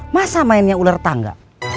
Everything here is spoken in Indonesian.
masa mainnya ular tangga